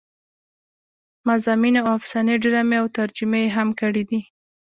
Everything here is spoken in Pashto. مضامين او افسانې ډرامې او ترجمې يې هم کړې دي